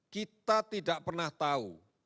kita tidak pernah tahu